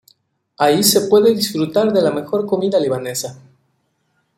Ahí se puede disfrutar de la mejor comida libanesa.